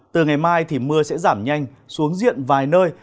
từ ngày mai thì mưa sẽ giảm nhanh xuống diện vài nơi